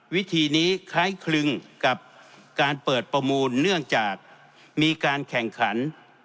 วิธีนี้คล้ายคลึงกับการเปิดประมูลเนื่องจากมีการแข่งขัน